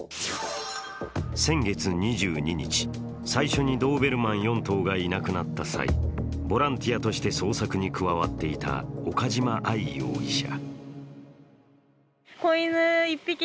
先月２２日、最初にドーベルマン４頭がいなくなった際ボランティアとして捜索に加わっていた岡島愛容疑者。